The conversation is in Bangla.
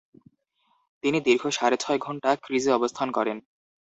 তিনি দীর্ঘ সাড়ে ছয় ঘণ্টা ক্রিজে অবস্থান করেন।